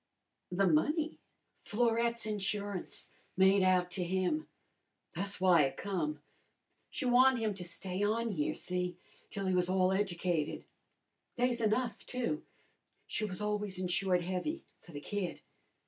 "The money?" "Florette's insurance made out to him. Tha's w'y I come. She wan'ed him to stay on here, see, till he was all educated. They's enough, too. She was always insured heavy for the kid.